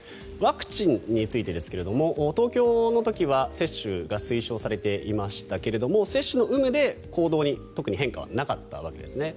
ワクチンについてですが東京の時は接種が推奨されていましたけど接種の有無で行動に特に変化はなかったわけです。